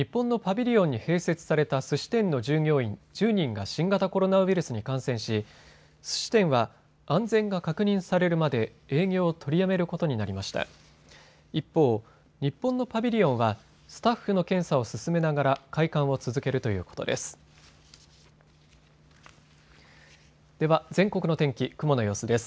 一方、日本のパビリオンはスタッフの検査を進めながら開館を続けるということです。